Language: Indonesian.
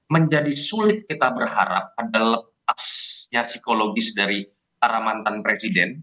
menjadi sulit kita berharap ada lepasnya psikologis dari para mantan presiden